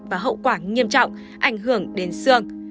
và hậu quả nghiêm trọng ảnh hưởng đến xương